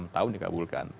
enam tahun dikabulkan